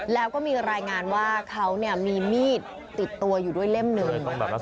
แล้วก็มีรายงานว่าเขามีมีดติดตัวอยู่ด้วยเล่มหนึ่ง